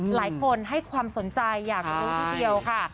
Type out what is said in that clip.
หลายคนให้ความสนใจอยากรู้ทีเดียวค่ะ